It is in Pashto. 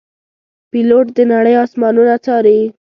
پیلوټ د نړۍ آسمانونه څاري.